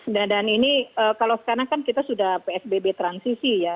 nah dan ini kalau sekarang kan kita sudah psbb transisi ya